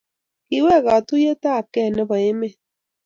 Kiwek katuyet ab kee nebo emet